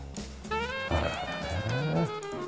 へえ。